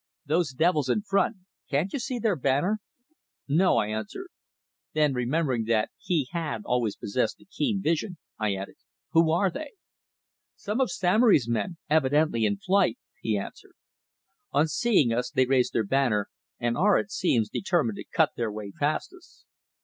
"Those devils in front! Can't you see their banner?" "No," I answered. Then remembering that he had always possessed a keen vision, I added: "Who are they?" "Some of Samory's men, evidently in flight," he answered. "On seeing us they raised their banner, and are, it seems, determined to cut their way past us."